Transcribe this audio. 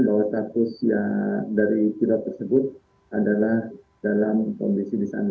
bahwa status dari pilot tersebut adalah dalam kondisi disenjata